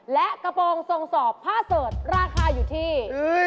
และกระโปรงทรงสอบผ้าเสิร์ชราคาอยู่ที่